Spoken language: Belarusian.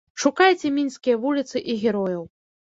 Шукайце мінскія вуліцы і герояў.